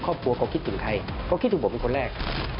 ครอบครัวเขาคิดถึงใครเขาคิดถึงผมเป็นคนแรก